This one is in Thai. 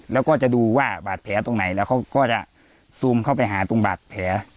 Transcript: แล้วก็จะดูว่าบาดแผลตรงไหนแล้วเขาก็จะซูมเข้าไปหาตรงบาดแผล